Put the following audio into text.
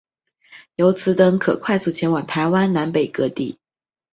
由此等可快速前往台湾南北各地。